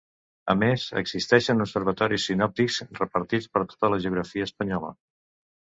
A més, existeixen observatoris sinòptics repartits per tota la geografia espanyola.